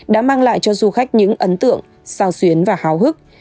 đã mang lại cho du khách những ấn tượng sao xuyến và háo hức